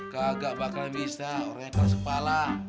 kakak bakalan bisa orangnya kalah sepala